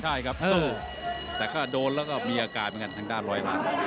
ใช่ครับโต้แต่ก็โดนแล้วก็มีอาการเหมือนกันทางด้านร้อยล้าน